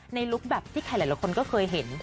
ลุคแบบที่ใครหลายคนก็เคยเห็น